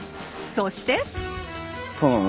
そして！